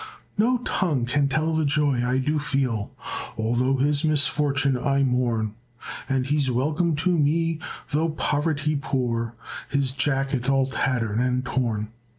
"No tongue can tell the joy I do feel Although his misfortune I mourn, And he's welcome to me though poverty poor, His jacket all tattered and torn.